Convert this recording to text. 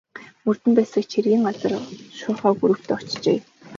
Мөрдөн байцаагч хэргийн газар шуурхай групптэй очжээ.